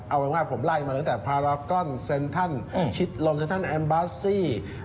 เอาเป็นว่าผมไล่มาตั้งแต่พราลักษณ์เซ็นทันชิตลงเซ็นทันแอมบาสซี